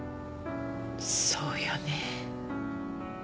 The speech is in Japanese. そうよね。